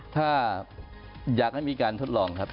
ถ้าอยากให้มีการทดลองครับ